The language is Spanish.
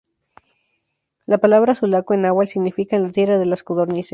La palabra "sulaco" en náhuatl significa "En la tierra de las codornices".